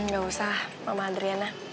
gak usah mama adriana